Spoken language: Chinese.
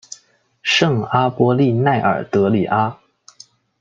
圣阿波利奈尔德里阿。